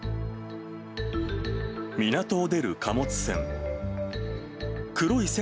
港を出る貨物船。